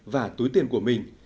và túi tiền của mình